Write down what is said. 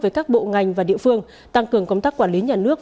với các bộ ngành và địa phương tăng cường công tác quản lý nhà nước